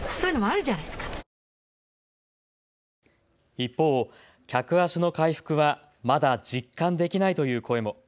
一方、客足の回復はまだ実感できないという声も。